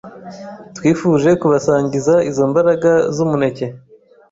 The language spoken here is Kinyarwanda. twifuje kubasangiza izo mbaraga z’umuneke